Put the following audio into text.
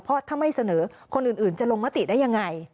เพราะถ้าไม่เสนอคนอื่นจะลงมติได้ยังไง